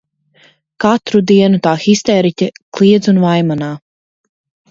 Katru dienu tā histēriķe kliedz un vaimanā.